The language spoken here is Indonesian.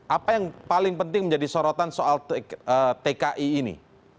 apa yang paling penting menjadi sorotan soal tki ini